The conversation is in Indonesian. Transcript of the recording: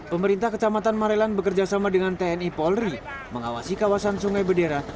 pemerintah kecamatan marelan bekerjasama dengan tni polri mengawasi kawasan sungai bedera